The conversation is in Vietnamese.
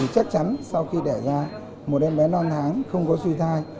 chắc chắn sau khi đẻ ra một em bé non tháng không có suy thai